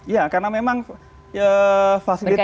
ya karena memang fasilitas